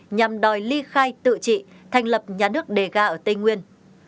nhằm đòi ly khai tự trị thành lập nhà nước đề ga ở tây nguyên